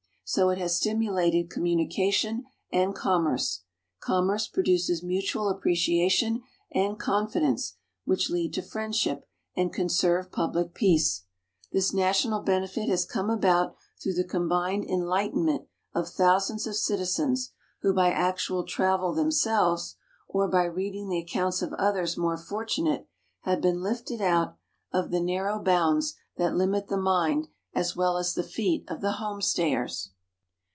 So it has stimulated communication and commerce. Commerce produces mutual appreciation and confidence, which lead to friendship and conserve public peace. This national benefit has come about through the combined enlightenment of thousands of citizens who by actual travel themselves, or by reading the accounts of others more fortunate, have been lifted out of the narrow xvi INTRODUCTION bounds that limit the mind as well as the feet of the home stayers.